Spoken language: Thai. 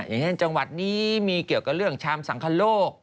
อย่างเช่นจังหวัดนี้มีเกี่ยวกับเรื่องชามสังคโลก